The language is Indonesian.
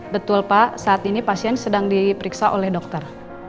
betul pak saat ini pasien sedang diperiksa oleh dokter